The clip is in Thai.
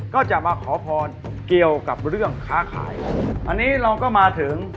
ก็จะมาขอพรเกี่ยวกับเรื่องค้าขายอันนี้เราก็มาถึง